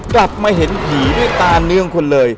กลับมาเห็นผีด้วยตาเนื่องคนเลย